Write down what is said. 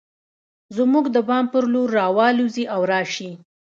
زموږ د بام پر لور راوالوزي او راشي